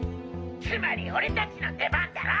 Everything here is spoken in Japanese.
つまり俺達の出番だろ！